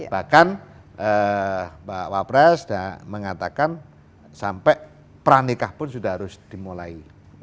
bahkan pak wapres mengatakan sampai pranikah pun sudah harus dimulai